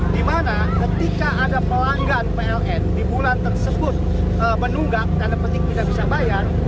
dimana ketika ada pelanggan pln di bulan tersebut menunggak tanda penting tidak bisa bayar